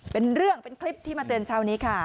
เป็นเรื่องเป็นคลิปที่มาเตือนเช้านี้ค่ะ